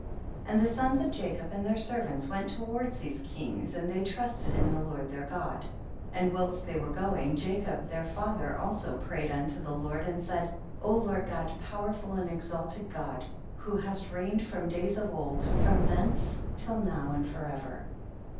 69. And the sons of Jacob and their servants went toward these kings, and they trusted in the Lord their God, and whilst they were go ing, Jacob their father also prayed unto the Lord and said, Lord God, powerful and exalted God, who hast reigned from days of old, from thence till now and forever ; 70.